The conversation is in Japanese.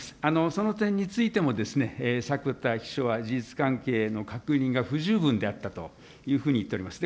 その点についてもですね、迫田秘書は、事実関係の確認が不十分であったというふうに言っております。